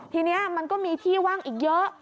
ทีนี้มันก็มีที่ว่างอีกเยอะ